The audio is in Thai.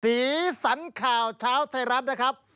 สีสันข่าวเช้าไทยรัฐนะครับ